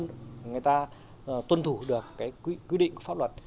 người ta tuân thủ được cái quy định của pháp luật